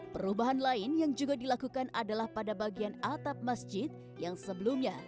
perubahan lain yang juga dilakukan adalah pada bagian atap masjid yang sebelumnya